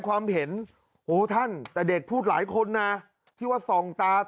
ความเห็นโอ้ท่านแต่เด็กพูดหลายคนนะที่ว่าส่องตา